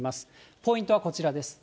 ポイントはこちらです。